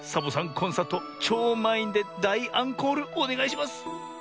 コンサートちょうまんいんでだいアンコールおねがいします！